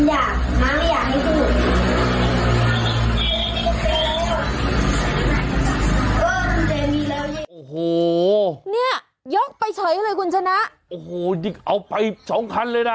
โอ้โหเนี่ยยกไปเฉยเลยคุณชนะโอ้โหเอาไปสองคันเลยนะ